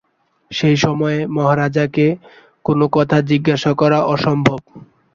সে সময়ে মহারাজকে কোন কথা জিজ্ঞাসা করা অসম্ভব।